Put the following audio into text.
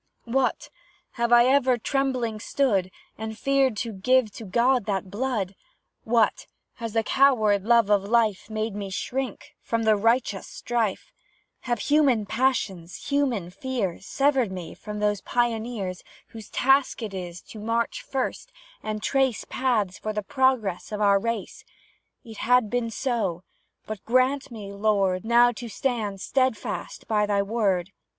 What! have I ever trembling stood, And feared to give to God that blood? What! has the coward love of life Made me shrink from the righteous strife? Have human passions, human fears Severed me from those Pioneers Whose task is to march first, and trace Paths for the progress of our race? It has been so; but grant me, Lord, Now to stand steadfast by Thy word!